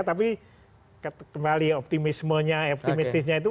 tapi kembali optimismenya optimistisnya itu